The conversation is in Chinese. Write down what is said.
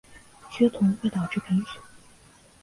缺铜会导致贫血。